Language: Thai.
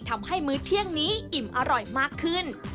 มื้อเที่ยงนี้อิ่มอร่อยมากขึ้น